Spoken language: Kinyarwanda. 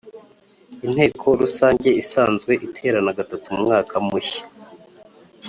Inteko Rusange isanzwe iterana gatatu mu mwaka mushya